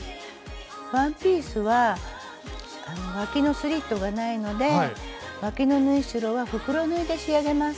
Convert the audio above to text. ワンピースはわきのスリットがないのでわきの縫い代は袋縫いで仕上げます。